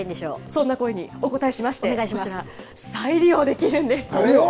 そんな声にお応えしまして、こちら、再利用できるんです。